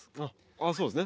ああそうですね。